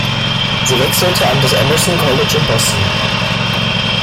Sie wechselte an das Emerson College in Boston.